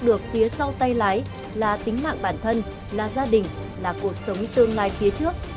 được phía sau tay lái là tính mạng bản thân là gia đình là cuộc sống tương lai phía trước